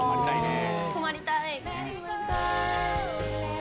泊まりたい。